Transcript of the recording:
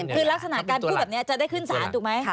คือลักษณะการพูดแบบนี้จะได้ขึ้นสารถูกไหม